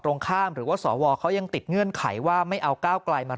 ตรงข้ามหรือว่าสวเขายังติดเงื่อนไขว่าไม่เอาก้าวไกลมา